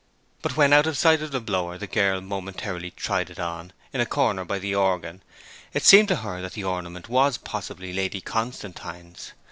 But when, out of sight of the blower, the girl momentarily tried it on, in a corner by the organ, it seemed to her that the ornament was possibly Lady Constantine's.